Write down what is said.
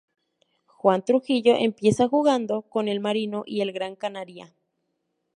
Juan Trujillo empieza jugando con el Marino y el Gran Canaria.